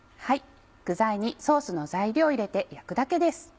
具材にソースの材料を入れて焼くだけです。